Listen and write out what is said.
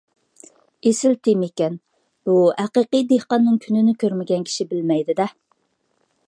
ئېسىل تېمىكەن! بۇ ھەقىقىي دېھقاننىڭ كۈنىنى كۆرمىگەن كىشى بىلمەيدۇ-دە.